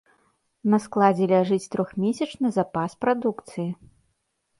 На складзе ляжыць трохмесячны запас прадукцыі.